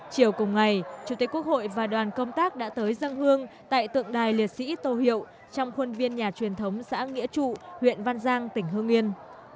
chiều cùng ngày chủ tịch quốc hội và đoàn công tác đã tới dân hương tại tượng đài liệt sĩ tô hiệu trong khuôn viên nhà truyền thống xã nghĩa trụ huyện văn giang tỉnh hương yên